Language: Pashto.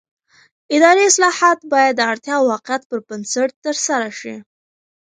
اداري اصلاحات باید د اړتیا او واقعیت پر بنسټ ترسره شي